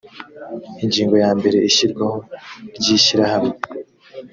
ingingo ya mbere ishyirwaho ry ishyirahamwe